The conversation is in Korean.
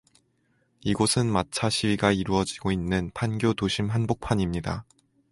이 곳은 마차 시위가 이루어지고 있는 판교 도심 한복판입니다.